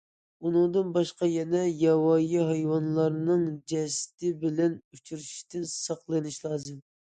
ئۇنىڭدىن باشقا يەنە ياۋايى ھايۋانلارنىڭ جەسىتى بىلەن ئۇچرىشىشتىن ساقلىنىش لازىم.